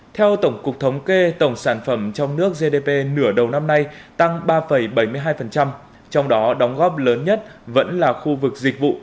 theo tổng cục thống kê tổng sản phẩm trong nước gdp nửa đầu năm nay tăng ba bảy mươi hai trong đó đóng góp lớn nhất vẫn là khu vực dịch vụ